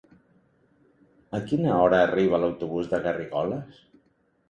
A quina hora arriba l'autobús de Garrigoles?